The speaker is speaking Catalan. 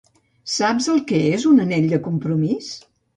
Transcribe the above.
Saps el què és un anell de compromís?